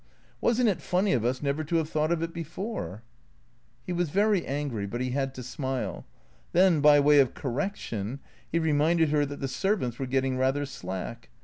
Was n't it funny of us never to have thought of it before ?" He was very angry, but he had to smile. Then by way of correction he reminded her that the servants were getting rather slack.